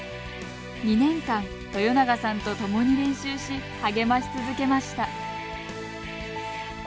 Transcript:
２年間、豊永さんとともに練習し励まし続けました。